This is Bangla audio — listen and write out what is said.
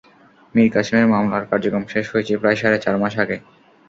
মীর কাসেমের মামলার কার্যক্রম শেষ হয়েছে প্রায় সাড়ে চার মাস আগে।